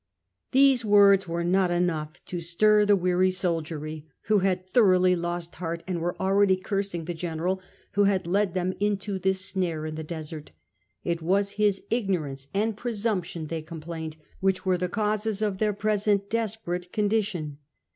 These words were not enough to stir the weary soldiery, who had thoroughly lost heart, and were already cursing the general who had led them into this snare in the desert. It was his ignorance and presumption, they complained, which were the causes of their present desperate condition.